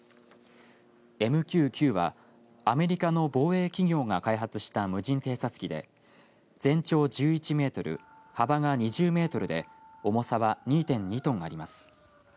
ＭＱ９はアメリカの防衛企業が開発した無人偵察機で全長１１メートル幅が２０メートルで重さは２．２トンあります。